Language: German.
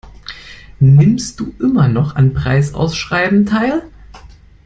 Nimmst du immer noch an Preisausschreiben teil?